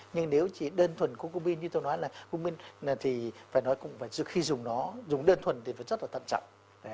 nhưng nếu chỉ đơn thuần của cung binh như tôi nói là cung binh thì phải nói cũng phải dùng khi dùng nó dùng đơn thuần thì rất là tận trọng